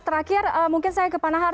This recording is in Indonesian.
terakhir mungkin saya ke panahar